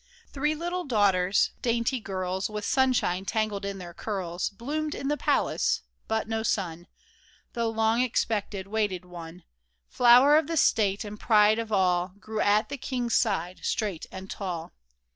Three little daughters, dainty girls With sunshine tangled in their curls, Bloomed in the palace ; but no son— 194 KING IVAN S OATH The long expected, waited one, Flower of the state, and pride of all — Grew at the king's side, straight and tall